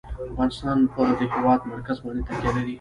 افغانستان په د هېواد مرکز باندې تکیه لري.